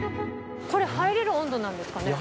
これ入れる温度なんですかね？